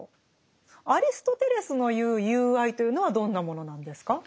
アリストテレスの言う「友愛」というのはどんなものなんですか？